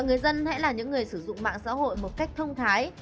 người dân hãy là những người sử dụng mạng xã hội một cách thông thái